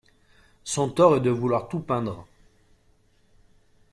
Son tort est de vouloir tout peindre.